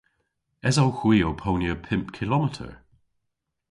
Esowgh hwi ow ponya pymp kilometer?